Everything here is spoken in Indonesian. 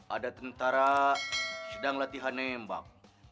ada tentara sedang latihan nembak